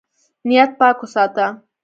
نیت پاک وساته.